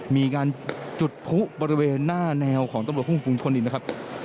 มีการจุดพุประเวณหน้าแนวของตำรวจคุมฝึงชนตอนนี้นะครับ